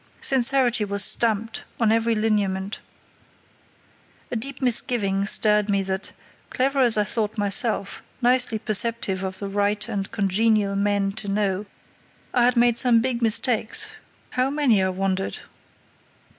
Sincerity was stamped on every lineament. A deep misgiving stirred me that, clever as I thought myself, nicely perceptive of the right and congenial men to know, I had made some big mistakes—how many, I wondered?